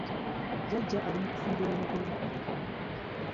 Jjajja ali mu kufumbirira mugole.